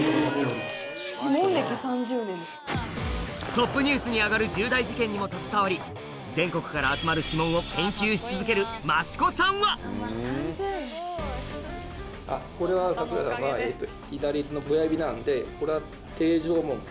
トップニュースに上がる全国から集まる指紋を研究し続ける益子さんはあっこれは櫻井さんはえっと。